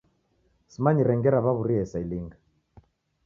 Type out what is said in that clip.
Simanyire ngera w'aw'urie saa ilinga.